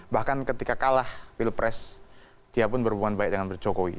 bahkan ketika kalah pilpres dia pun berhubungan baik dengan jokowi